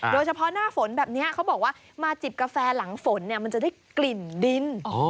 หน้าฝนแบบนี้เขาบอกว่ามาจิบกาแฟหลังฝนเนี่ยมันจะได้กลิ่นดิน